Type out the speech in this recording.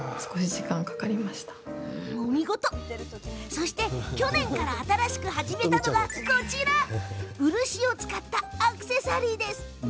そして去年から新しく始めたのがこちら、漆を使ったアクセサリー。